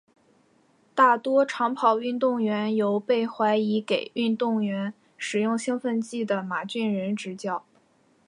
大多长跑运动员由被怀疑给运动员使用兴奋剂的马俊仁执教。